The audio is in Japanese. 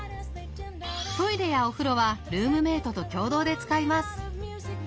トイレやお風呂はルームメートと共同で使います。